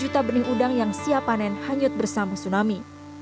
satu juta benih udang yang siap panen hanyut bersama tsunami